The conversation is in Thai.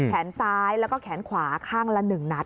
แขนซ้ายแล้วก็แขนขวาข้างละ๑นัด